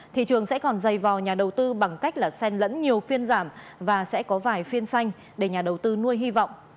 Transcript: thị trường sẽ còn dày vò nhà đầu tư bằng cách là sen lẫn nhiều phiên giảm và sẽ có vài phiên xanh để nhà đầu tư nuôi hy vọng